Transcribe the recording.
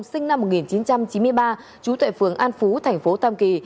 sinh năm một nghìn chín trăm chín mươi ba trú tuệ phường an phú tp tam kỳ